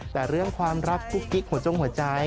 แต่เรื่องความรักกุ๊กกิ๊กหัวจงหัวใจ